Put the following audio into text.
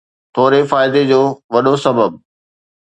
ٿوري فائدي جو وڏو سبب